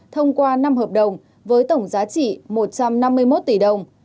thông qua năm hợp đồng với tổng giá trị một trăm năm mươi một tỷ đồng